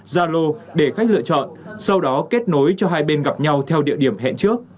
zalo để khách lựa chọn sau đó kết nối cho hai bên gặp nhau theo địa điểm hẹn trước